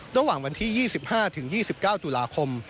ระหว่างวันที่๒๕๒๙ตุลาคม